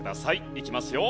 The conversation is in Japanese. いきますよ。